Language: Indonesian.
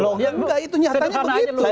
ya nggak itu nyatanya begitu